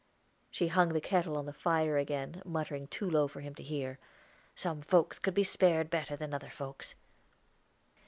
She hung the kettle on the fire again, muttering too low for him to hear: "Some folks could be spared better than other folks."